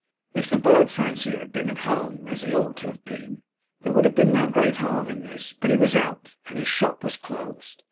If the bird fancier had been at home, as he ought to have been, there would have been no great harm in this; but he was out, and his shop was closed.